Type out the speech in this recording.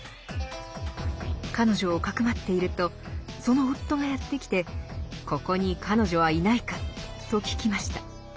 彼女をかくまっているとその夫がやって来て「ここに彼女はいないか？」と聞きました。